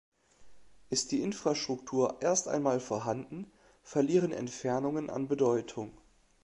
Ist die Infrastruktur erst einmal vorhanden, verlieren Entfernungen an Bedeutung.